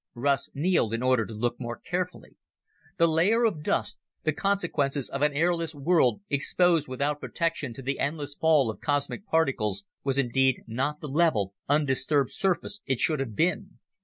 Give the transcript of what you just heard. Russ kneeled in order to look more carefully. The layer of dust, the consequences of an airless world exposed without protection to the endless fall of cosmic particles, was indeed not the level, undisturbed surface it should have been.